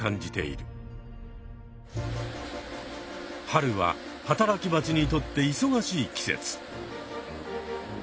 春は働きバチにとっていそがしい季節。